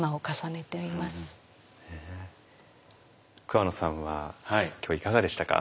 桑野さんは今日いかがでしたか？